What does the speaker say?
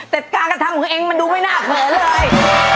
แต่กล้ากระทั่งของคุณเองมันดูไม่น่าเขินเลย